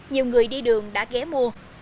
nhiều người đi đường đã ghé mua